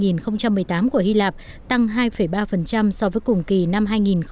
năm hai nghìn một mươi tám của hy lạp tăng hai ba so với cùng kỳ năm hai nghìn một mươi bảy